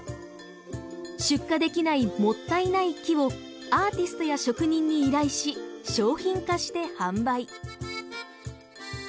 出荷できないもったいない木をアーティストや職人に依頼し商品化して販売。